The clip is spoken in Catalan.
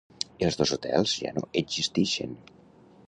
Els dos hotels ja no existixen.